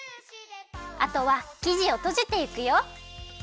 あとはきじをとじていくよ。